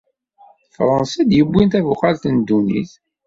D Fransa i yewwin tabuqalt n ddunit.